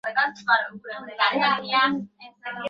ভাবতে ভাবতে আমার এক বন্ধুর কথা মনে পড়ে।